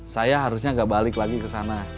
saya harusnya gak balik lagi kesana